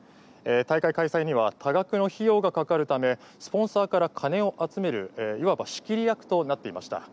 大会開催には多額の費用が掛かるためスポンサーから金を集めるいわば仕切り役となっていました。